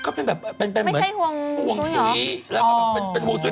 ก็เป็นแบบไม่ใช่ห่วงสุยหรอเป็นห่วงสุย